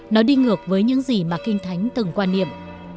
nó đi ngược với những gì mà kinh thánh từng quan niệm